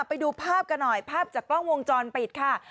ไปดูภาพกันหน่อยภาพจากกล้องวงจรปิดค่ะ